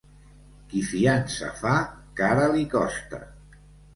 Qui fiança fa, cara li costa.